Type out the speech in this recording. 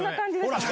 ほら。